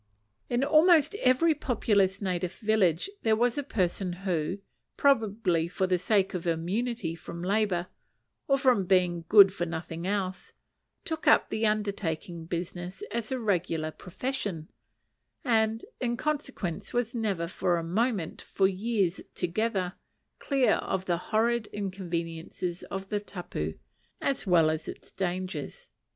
In almost every populous native village there was a person who probably for the sake of immunity from labour, or from being good for nothing else took up the undertaking business as a regular profession, and, in consequence, was never for a moment, for years together, clear of the horrid inconveniences of the tapu, as well as its dangers.